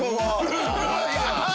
すごいな！